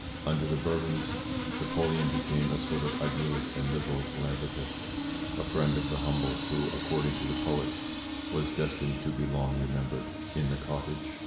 Under the Bourbons Napoleon became a sort of idyllic and liberal philanthropist, a friend of the humble who, according to the poets, was destined to be long remembered in the cottage.